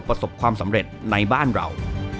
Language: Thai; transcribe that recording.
ประสบความสำเร็จในบ้านเรา